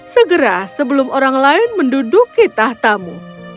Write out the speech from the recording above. segera sebelum orang lain menduduki tahtamu